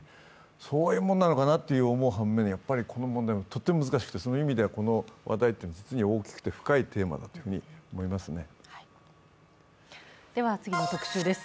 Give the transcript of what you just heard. そういうものなのかなと思う反面、この問題、とても難しくてそういう意味ではこの話題は実に大きく深いテーマだと思います。